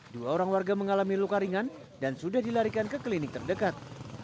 dua orang warga mengalami luka ringan dan sudah dilarikan ke klinik terdekat